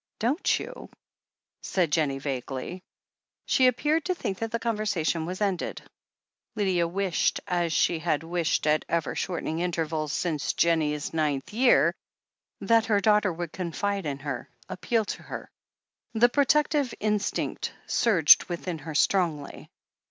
"Don't you?" said Jennie vaguely. She appeared to think that the conversation was ended. Lydia wished, as she had wished at ever shortening intervals since Jennie's ninth year, that her daughter would confide in her, appeal to her. The protective instinct surged within her strongly.